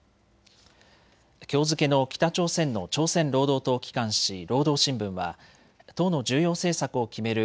きょう付けの北朝鮮の朝鮮労働党機関紙、労働新聞は党の重要政策を決める